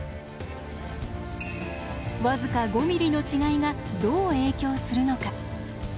僅か５ｍｍの違いがどう影響するのか。